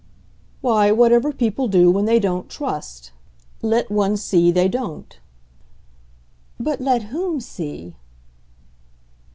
"Why, whatever people do when they don't trust. Let one see they don't." "But let whom see?"